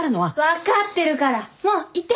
分かってるからもう行って。